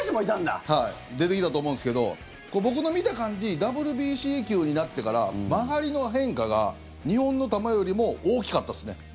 出てきたと思うんですけど僕の見た感じＷＢＣ球になってから曲がりの変化が日本の球よりも大きかったですね。